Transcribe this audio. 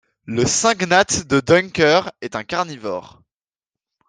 Le syngnathe de Duncker est un carnivore.